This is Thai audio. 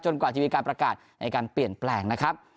กว่าจะมีการประกาศในการเปลี่ยนแปลงนะครับ